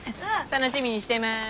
楽しみにしてます。